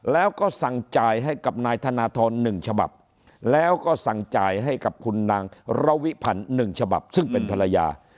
แล้วก็สั่งจ่ายให้กับนายธนทร๑ฉบับแล้วก็สั่งจ่ายให้กับคุณนางระวิพันธ์๑ฉบับซึ่งเป็นภรรยา